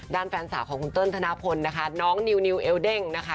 แฟนสาวของคุณเติ้ลธนพลนะคะน้องนิวเอลเด้งนะคะ